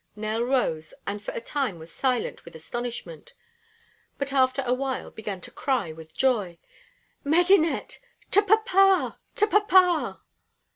Nell rose, and for a time was silent with astonishment, but after a while began to cry with joy: "Medinet! to papa! to papa!"